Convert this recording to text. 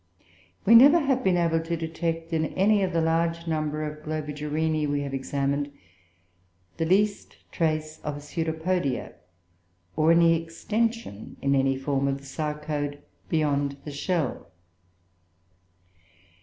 We never have been able to detect, in any of the large number of Globigerinoe which we have examined, the least trace of pseudopodia, or any extension, in any form, of the sarcode beyond the shell.